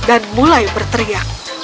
dan mulai berteriak